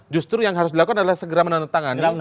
justru yang harus dilakukan adalah segera menandatangani